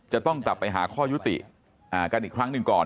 จะต้องกลับไปหาข้อยุติกันอีกครั้งหนึ่งก่อน